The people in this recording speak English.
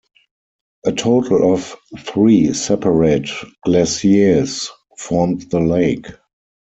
A total of three separate glaciers formed the lake.